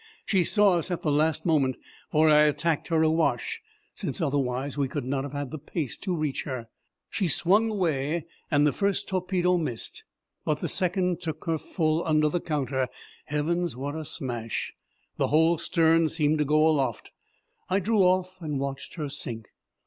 She saw us at the last moment, for I attacked her awash, since otherwise we could not have had the pace to reach her. She swung away and the first torpedo missed, but the second took her full under the counter. Heavens, what a smash! The whole stern seemed to go aloft. I drew off and watched her sink.